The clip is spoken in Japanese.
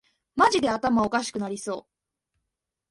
マジで頭おかしくなりそう